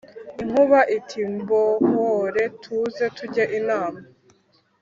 inkuba iti:" muhore tuze tujye inama